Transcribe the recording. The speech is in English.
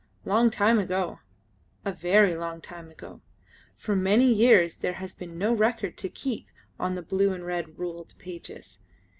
Long time ago. A very long time. For many years there has been no record to keep on the blue and red ruled pages!